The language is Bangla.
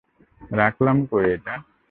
প্রশ্ন হচ্ছেঃ রাখলাম কই ঐটা?